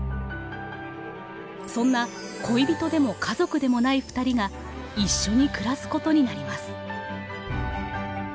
そんな恋人でも家族でもないふたりが一緒に暮らすことになります。